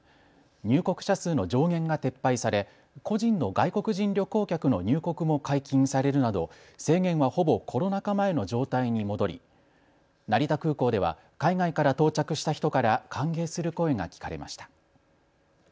入国者数の上限が撤廃され個人の外国人旅行客の入国も解禁されるなど制限はほぼコロナ禍前の状態に戻り成田空港では海外から到着した人から歓迎する声が聞かれました。